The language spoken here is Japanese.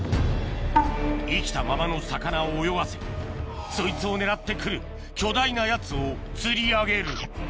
生きたままの魚を泳がせそいつを狙って来る巨大なやつを釣り上げる